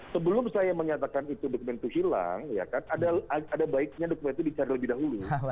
sebelum saya menyatakan itu dokumen itu hilang ya kan ada baiknya dokumen itu dicari lebih dahulu